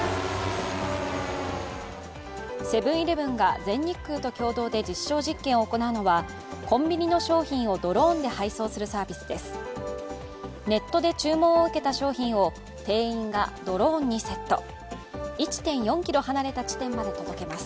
セブン−イレブンが全日空と共同で実証実験を行うのはコンビニの商品をドローンで配送するサービスです。